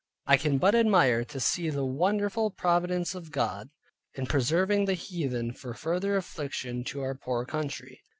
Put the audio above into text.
I can but admire to see the wonderful providence of God in preserving the heathen for further affliction to our poor country.